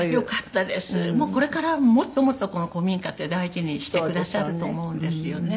もうこれからもっともっとこの古民家って大事にしてくださると思うんですよね。